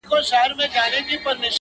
ه په سندرو کي دي مينه را ښودلې.